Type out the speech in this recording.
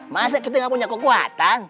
masa kita gak punya kuku atang